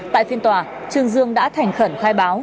tại phiên tòa trương dương đã thành khẩn khai báo